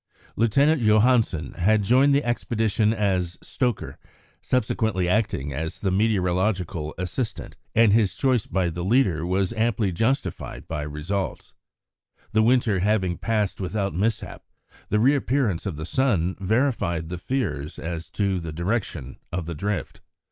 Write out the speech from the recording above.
Lieutenant Johansen had joined the expedition as stoker, subsequently acting as the meteorological assistant, and his choice by the leader was amply justified by results. The winter having passed without mishap, the reappearance of the sun verified the fears as to the direction of the drift.